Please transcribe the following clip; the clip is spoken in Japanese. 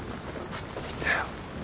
いったよ。